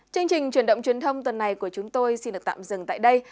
chương trình truyền động truyền thông tuần này của chúng tôi xin được tạm dừng tại đây